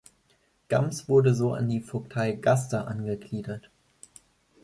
Gams wurde so an die Vogtei Gaster angegliedert.